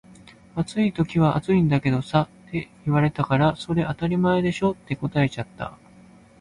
「暑い時は暑いんだけどさ」って言われたから「それ当たり前でしょ」って答えちゃった